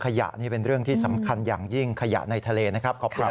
ขยะนี่เป็นเรื่องที่สำคัญอย่างยิ่งขยะในทะเลนะครับขอบคุณ